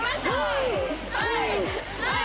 はい！